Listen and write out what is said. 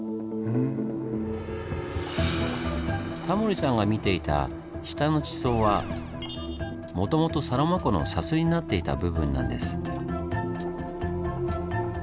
タモリさんが見ていた下の地層はもともとサロマ湖の砂州になっていた部分なんです。